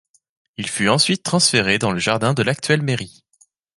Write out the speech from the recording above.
Il fut ensuite transféré dans le jardin de l'actuelle mairie.